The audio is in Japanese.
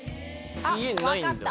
家にないんだ。